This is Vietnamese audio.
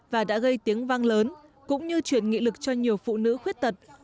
và đã gây tiếng vang lớn cũng như chuyển nghị lực cho nhiều phụ nữ khuyết tật